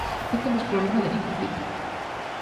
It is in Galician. Non temos problema de ningún tipo.